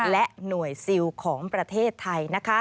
และหน่วยซิลของประเทศไทย